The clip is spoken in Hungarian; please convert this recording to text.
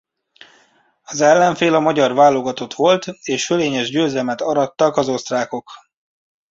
Az ellenfél a magyar válogatott volt és fölényes győzelmet arattak az osztrákok.